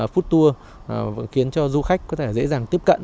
food tour khiến cho du khách có thể dễ dàng tiếp cận